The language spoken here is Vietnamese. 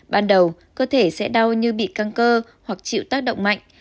ban đầu cơ thể sẽ đau như bị căng cơ hoặc chịu tác động mạnh